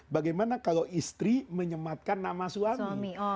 bagaimana kalau istri menyematkan nama suami